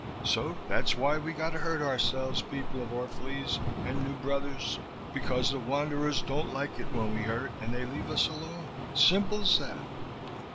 So that's why we got to hurt ourselves, people of Orph'lese and new brothers because the wanderers don't like it when we hurt and they leave us alone. Simple's that.